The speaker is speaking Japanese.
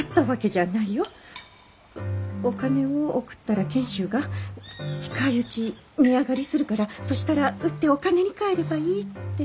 お金を送ったら賢秀が「近いうち値上がりするからそしたら売ってお金に換えればいい」って。